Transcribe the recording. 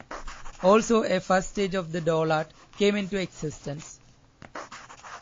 Also a first stage of the Dollart came into existence.